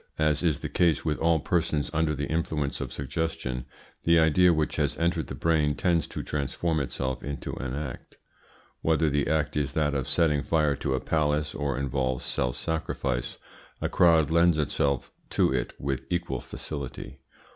As is the case with all persons under the influence of suggestion, the idea which has entered the brain tends to transform itself into an act. Whether the act is that of setting fire to a palace, or involves self sacrifice, a crowd lends itself to it with equal facility.